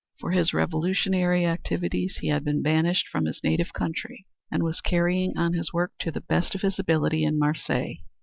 For his revolutionary activities he had been banished from his native country, and was carrying on his work to the best of his ability in Marseilles.